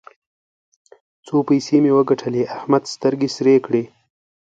څو پيسې مې وګټلې؛ احمد سترګې سرې کړې.